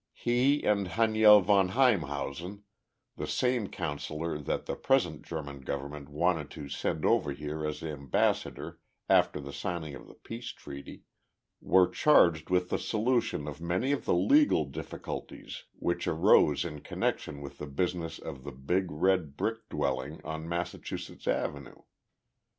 He and Haniel von Heimhausen the same counselor that the present German government wanted to send over here as ambassador after the signing of the peace treaty were charged with the solution of many of the legal difficulties which arose in connection with the business of the big red brick dwelling on Massachusetts Avenue.